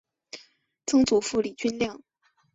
曾祖父李均亮。